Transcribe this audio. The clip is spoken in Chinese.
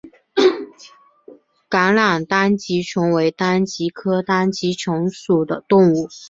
橄榄单极虫为单极科单极虫属的动物。